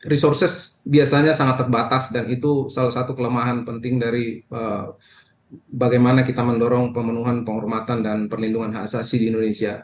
resources biasanya sangat terbatas dan itu salah satu kelemahan penting dari bagaimana kita mendorong pemenuhan penghormatan dan perlindungan hak asasi di indonesia